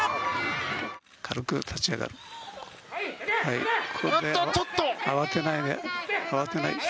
軽く立ち上がって。